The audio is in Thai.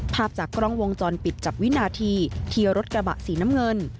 ภาพจากกล้องวงจรปิดจับวินาทีที่รถกระบะสีน้ำเงิน